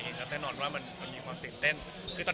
แน่นอนว่ามันมีความตื่นเต้นคือตอน